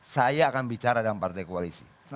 saya akan bicara dengan partai koalisi